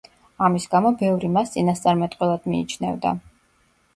ამის გამო ბევრი მას წინასწარმეტყველად მიიჩნევდა.